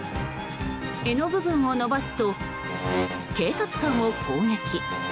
柄の部分を伸ばすと警察官を攻撃。